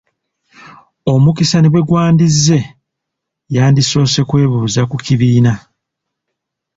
Omukisa ne bwe gwandizze yandisoose kwebuuza ku kibiina.